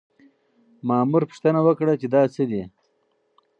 مامور پوښتنه وکړه چې دا څه دي؟